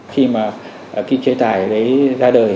khi mà cái chế tài đấy ra đời